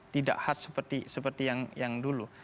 tidak hard seperti yang dulu